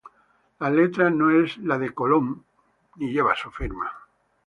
La letra no es la de Colón ni lleva su firma.